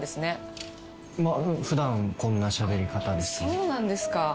そうなんですか。